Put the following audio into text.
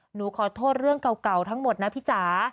หนูขอโทษเรื่องเก่าทั้งหมดนะพี่จ๋า